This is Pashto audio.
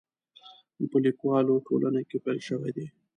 نو په لیکوالو ټولنه کې پیل شوی دی.